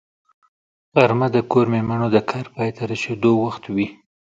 غرمه د کور مېرمنو د کار پای ته رسېدو وخت وي